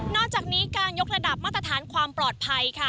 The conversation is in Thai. อกจากนี้การยกระดับมาตรฐานความปลอดภัยค่ะ